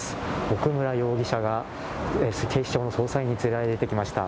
奥村容疑者が警視庁の捜査員に連れられて、出てきました。